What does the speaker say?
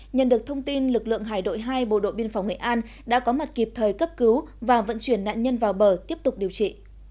nhận được thông tin lực lượng hải đội hai bộ đội biên phòng nghệ an đã có mặt kịp thời cấp cứu và vận chuyển nạn nhân vào bờ tiếp tục điều trị